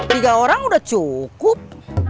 tiga orang udah cukup